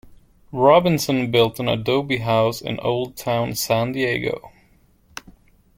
Robinson built an adobe house in Old Town San Diego.